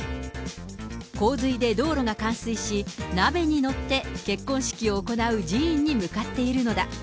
洪水で道路が冠水し、鍋に乗って、結婚式を行う寺院に向かっているのだ。